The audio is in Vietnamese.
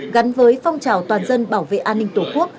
gắn với phong trào toàn dân bảo vệ an ninh tổ quốc